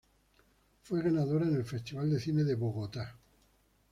Fue ganadora en el Festival de cine de Bogotá.